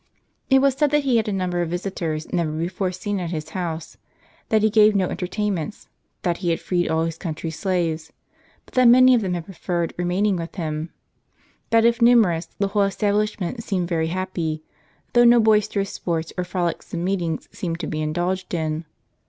It was said that he had a number of visitors never before seen at his house; that he gave no entertainments ; that he had freed all his country slaves, but that many of them had preferred remaining with him ; that if numerous, the whole establishment seemed very happy, though no boisterous sports or frolicsome meetings seemed to be indulged in.